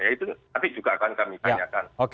ya itu nanti juga akan kami tanyakan